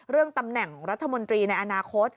เรื่องตำแหน่งรัฐมนตรีในอนาคต